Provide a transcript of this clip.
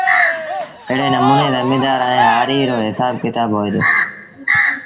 ايڙي نموٚني زميݩدآر ائيٚݩ هآريٚ رو هسآب ڪتآب هوئي دو